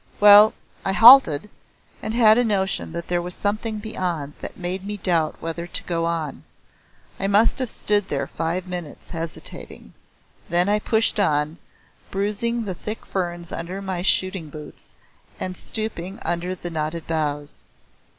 Well, I halted, and had a notion there was something beyond that made me doubt whether to go on. I must have stood there five minutes hesitating. Then I pushed on, bruising the thick ferns under my shooting boots and stooping under the knotted boughs.